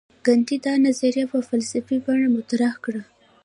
ګاندي دا نظریه په فلسفي بڼه مطرح کړه.